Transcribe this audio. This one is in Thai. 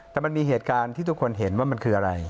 แต่มันมีเหตุการณ์ที่ทุกคนเห็นว่ามันคืออะไร